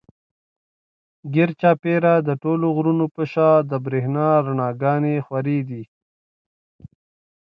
ګېر چاپېره د ټولو غرونو پۀ شا د برېښنا رڼاګانې خورېدې